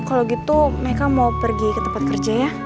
kalau gitu mereka mau pergi ke tempat kerja ya